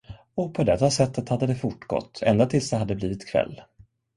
Och på detta sättet hade det fortgått, ända tills det hade blivit kväll.